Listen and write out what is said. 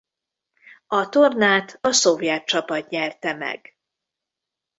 A tornát a szovjet csapat nyerte meg.